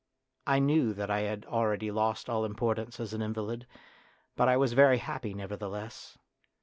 I knew that I had already lost all importance as an invalid, but I was very happy nevertheless.